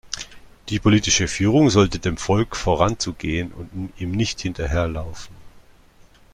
Die politische Führung sollte dem Volk voranzugehen und ihm nicht hinterherlaufen.